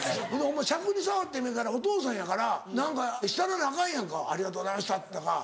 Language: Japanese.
しゃくに障ってもええからお父さんやから何かしたらなアカンやんかありがとうございましたとか。